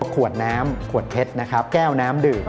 ขวดน้ำขวดเพชรนะครับแก้วน้ำดื่ม